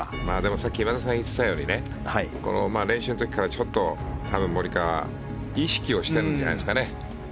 さっき今田さんが言ってたように練習の時からモリカワは、意識はしてるんじゃないでしょうかね。